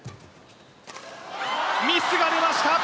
ミスが出ました。